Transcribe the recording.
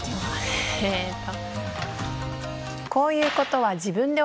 えっと